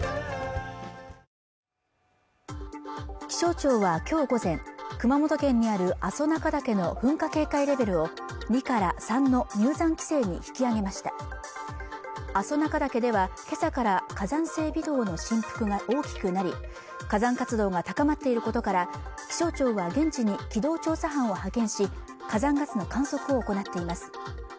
気象庁はきょう午前熊本県にある阿蘇中岳の噴火警戒レベルを２から３の入山規制に引き上げました阿蘇中岳ではけさから火山性微動の振幅が大きくなり火山活動が高まっていることから気象庁は現地に機動調査班を派遣し火山ガスの観測を行っています